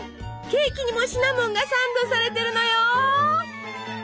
ケーキにもシナモンがサンドされてるのよ。